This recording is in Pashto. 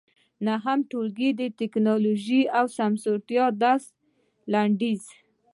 د نهم ټولګي د ټېکنالوجۍ او سیسټمونو درس لنډیز